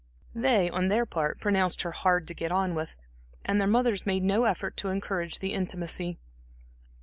They, on their part pronounced her hard to get on with, and their mothers made no effort to encourage the intimacy.